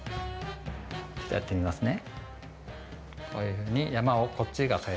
ちょっとやってみますね。